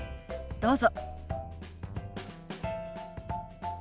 どうぞ。